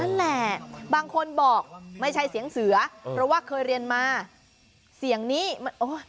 นั่นแหละบางคนบอกไม่ใช่เสียงเสือเพราะว่าเคยเรียนมาเสียงนี้มันโอ้ย